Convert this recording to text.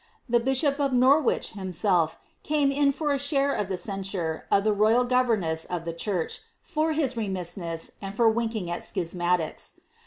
The bishop of Norwich, himself, came in for a share of the censure of the royal governess of the church, for his remissness, and for winking at schismatics.